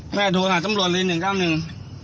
แม่โทรหาจำรวจลิ้นหนึ่งก้าวหนึ่ง